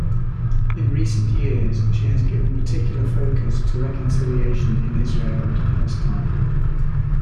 In recent years, she has given particular focus to reconciliation in Israel and Palestine.